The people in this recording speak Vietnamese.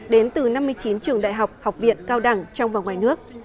đến từ năm mươi chín trường đại học học viện cao đẳng trong và ngoài nước